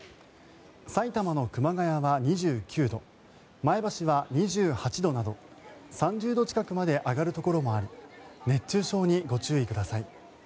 埼玉の熊谷は２９度前橋は２８度など３０度近くまで上がるところもあり熱中症にご注意ください。